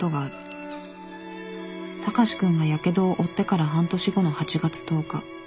高志くんがやけどを負ってから半年後の８月１０日。